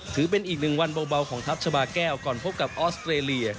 ถือเป็นอีกหนึ่งวันเบาของทัพชาบาแก้วก่อนพบกับออสเตรเลีย